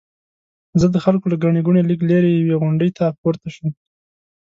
زه د خلکو له ګڼې ګوڼې لږ لرې یوې غونډۍ ته پورته شوم.